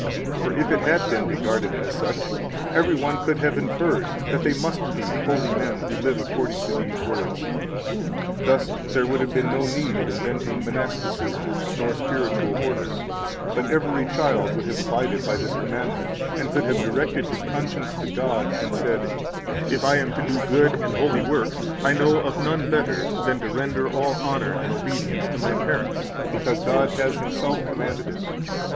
For if it had been regarded as such, every one could have inferred that they must be holy men who live according to these words. Thus there would have been no need of inventing monasticism nor spiritual orders, but every child would have abided by this commandment, and could have directed his conscience to God and said: "If I am to do good and holy works, I know of none better than to render all honor and obedience to my parents, because God has Himself commanded it.